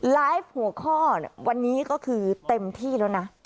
ไลฟ์หัวข้อวันนี้ก็คือเต็มที่แล้วนะ